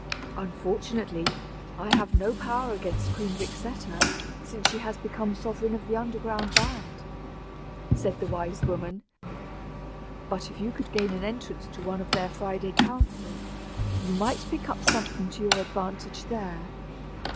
"Unfortunately, I have no power against Queen Vixetta since she has become the sovereign of the underground band," said the wise woman. "But, if you could gain an entrance to one of their Friday councils, you might pick up something to your advantage there."